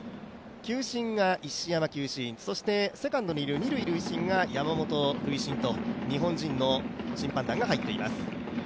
球審が石山球審、セカンドにいる二塁塁審がやまもと塁審と日本人の審判団が入っています。